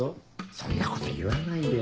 そんなこと言わないでよ。